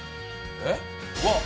えっ？